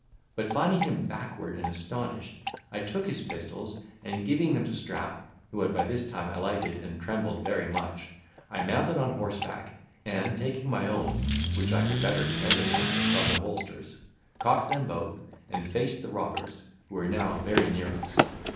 But, finding him backward and astonished, I took his pistols, and, giving them to Strap, who had by this time alighted and trembled very much, I mounted on horseback; and, taking my own (which I could better depend upon) from the holsters, cocked them both, and faced the robbers, who were now very near us.